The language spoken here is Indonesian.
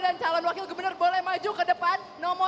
dan calon wakil gubernur boleh maju ke depan